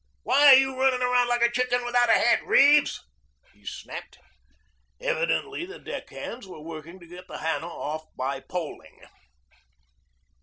Why are you running around like a chicken without a head, Reeves?" he snapped. Evidently the deck hands were working to get the Hannah off by poling.